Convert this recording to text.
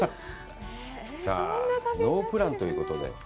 さあ、ノープランということで。